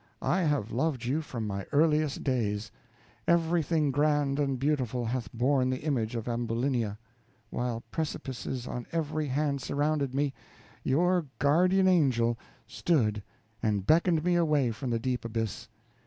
I have loved you from my earliest days; everything grand and beautiful hath borne the image of Ambulinia; while precipices on every hand surrounded me, your guardian angel stood and beckoned me away from the deep abyss.